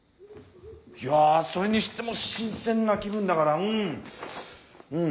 いやそれにしても新鮮な気分だからうん。